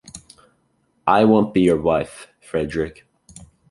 I won’t be your wife, Frédéric.